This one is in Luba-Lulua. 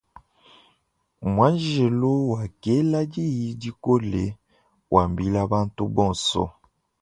Muanjelo wakela diyi dikole wambila bantu bonso.